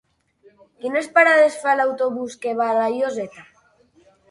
Quines parades fa l'autobús que va a Lloseta?